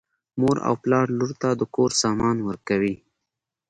مور او پلار لور ته د کور سامان ورکوي.